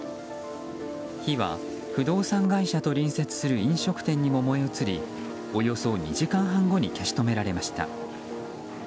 火は不動産会社と隣接する飲食店にも燃え移りおよそ２時間半後に消し止められました。